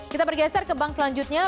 kita bergeser ke bank selanjutnya